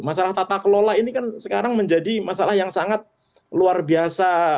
masalah tata kelola ini kan sekarang menjadi masalah yang sangat luar biasa